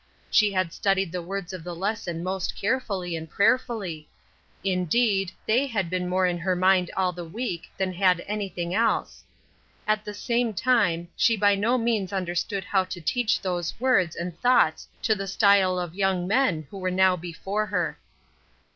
She had studied the words of the lesson most carefully and prayerfully; indeed, they had been more in her mind all the week than had anything else. At the same time, she by no means understood how to teach those words and thoughts to the style of young men who were now before her.